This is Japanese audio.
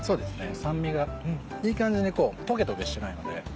酸味がいい感じにこうトゲトゲしてないので。